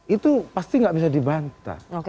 itu pasti nggak bisa dibantah